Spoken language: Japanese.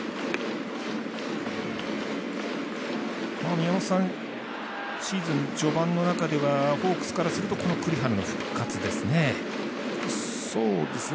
宮本さん、シーズン序盤の中ではホークスからするとこの栗原の復活ですね。